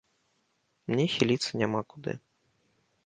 Мне хіліцца няма куды.